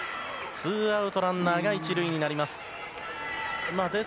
ツーアウトランナー１塁になります。